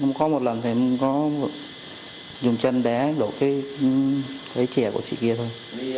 không có một lần thấy mình có dùng chân đá đổ cái trẻ của chị kia thôi